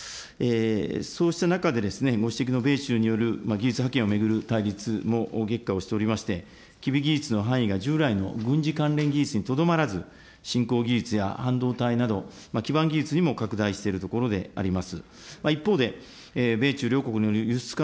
そうした中で、ご指摘の米中による技術はけんを巡る対立も激化をしておりまして、きび技術の範囲が従来の軍事関連技術にとどまらず、しんこう技術や半導体など、基盤技術にも拡大しているところであります。